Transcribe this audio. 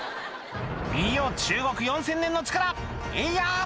「見よ中国４０００年の力えいや！」